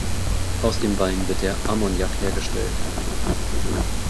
Aus dem Wein wird der "Armagnac" hergestellt.